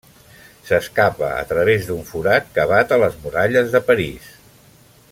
S'escapa a través d'un forat cavat a les muralles de París.